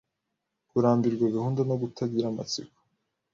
Kurambirwa, gahunda, no kutagira amatsiko